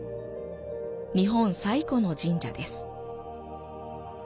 日本最古の神社です。